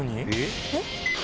えっ？